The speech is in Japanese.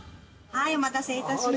◆お待たせいたしました。